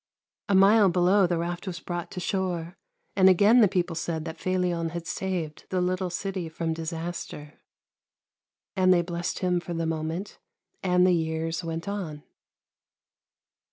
A mile below, the raft was brought to shore, and again the people said that Felion had saved the little city from disaster. And they blessed him for the moment ; and the years went on.